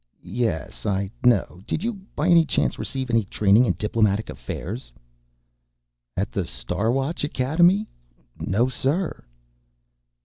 "Yes, I know. Did you, by any chance, receive any training in diplomatic affairs?" "At the Star Watch Academy? No, sir."